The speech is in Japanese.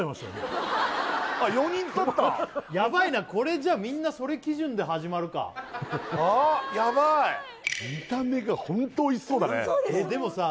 あっ４人取ったやばいなこれじゃあみんなそれ基準で始まるかやばいやばい見た目がホントおいしそうだねえっでもさ